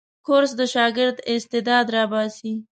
کورس د شاګرد استعداد راباسي.